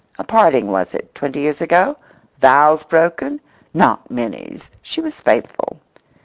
A parting, was it, twenty years ago? Vows broken? Not Minnie's!… She was faithful.